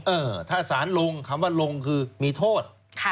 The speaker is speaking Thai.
เออถ้าสารลงคำว่าลงคือมีโทษ